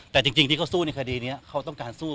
แต่จริงที่เขาสู้ในคดีนี้เขาต้องการสู้